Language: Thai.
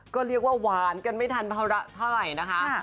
ก็เรียกว่าหวานกันไม่ทันภาระเท่าไหร่นะคะ